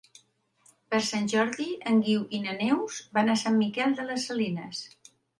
Per Sant Jordi en Guiu i na Neus van a Sant Miquel de les Salines.